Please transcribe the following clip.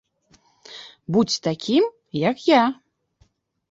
Будзь такім, як я!